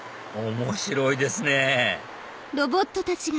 面白いですねはあ。